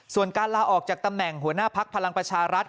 ส่วนการลาออกจากตำแหน่งหัวหน้าพักพลังประชารัฐ